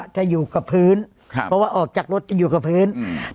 จะอยู่กับพื้นครับเพราะว่าออกจากรถจะอยู่กับพื้นอืม